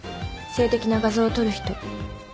性的な画像を撮る人。